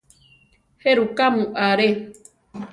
¿Jéruka mu aré?